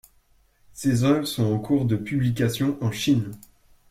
Ses œuvres sont en cours de publication en Chine.